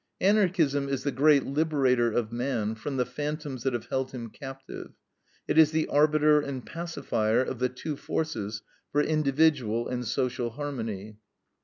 Anarchism is the great liberator of man from the phantoms that have held him captive; it is the arbiter and pacifier of the two forces for individual and social harmony.